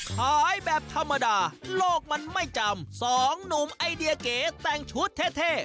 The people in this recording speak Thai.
ขายแบบธรรมดาโลกมันไม่จำสองหนุ่มไอเดียเก๋แต่งชุดเท่